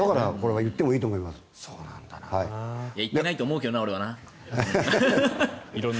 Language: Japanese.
言ってないと思うけどな俺はな。